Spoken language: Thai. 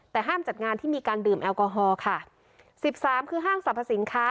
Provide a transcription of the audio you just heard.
แต่ห้ามจัดงานที่มีการดื่มแอลกอฮอล์ค่ะสิบสามคือห้างสรรพสินค้า